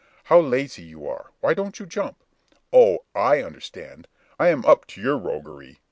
How lazy you are! Why don't you jump? Oh! I understand! I am up to your roguery!